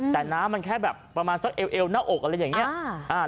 แต่น้ำมันแค่แบบประมาณสักเอวเอวหน้าอกอะไรอย่างนี้